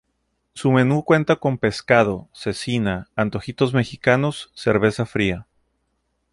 Su menú cuenta con pescado, cecina, antojitos mexicanos, cerveza fría.